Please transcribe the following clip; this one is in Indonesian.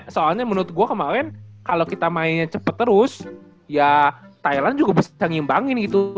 soalnya menurut gue kemarin kalau kita mainnya cepat terus ya thailand juga bisa ngimbangin gitu